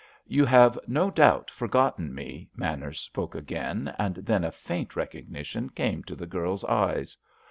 "You have no doubt forgotten me," Manners spoke again, and then a faint recognition came to the girl's eyes.